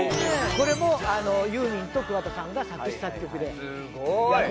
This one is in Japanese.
これもユーミンと桑田さんが作詞作曲でやった。